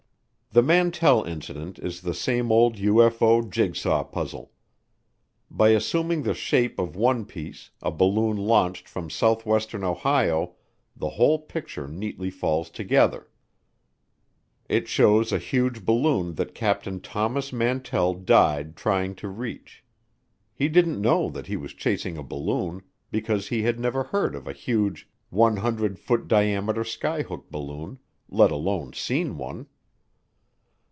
The Mantell Incident is the same old UFO jigsaw puzzle. By assuming the shape of one piece, a balloon launched from southwestern Ohio, the whole picture neatly falls together. It shows a huge balloon that Captain Thomas Mantell died trying to reach. He didn't know that he was chasing a balloon because he had never heard of a huge, 100 foot diameter skyhook balloon, let alone seen one.